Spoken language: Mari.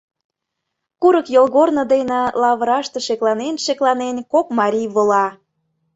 Курык йолгорно дене, лавыраште шекланен-шекланен, кок марий вола.